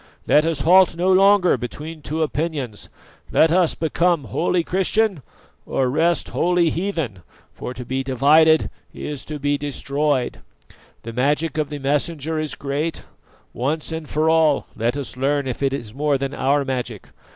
Let us halt no longer between two opinions, let us become wholly Christian or rest wholly heathen, for to be divided is to be destroyed. The magic of the Messenger is great; once and for all let us learn if it is more than our magic.